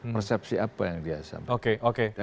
persepsi apa yang dia sampaikan